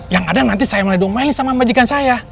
yang ada nanti saya mulai dongeng sama majikan saya